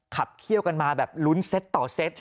ขับเขี้ยวกันมาแบบลุ้นเซตต่อเซต